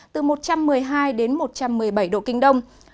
từ một trăm một mươi hai đến một trăm một mươi bảy độ kinh đông